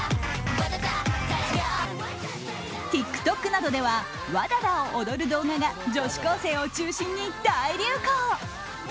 ＴｉｋＴｏｋなどでは「ＷＡＤＡＤＡ」を踊る動画が女子高生を中心に大流行。